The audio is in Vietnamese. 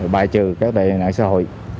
bài trừ các đề nạn xã hội